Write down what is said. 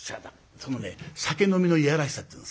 そのね酒飲みの嫌らしさっていうんですか？